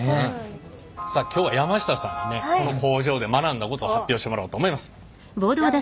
さあ今日は山下さんにねこの工場で学んだことを発表してもらおうと思います。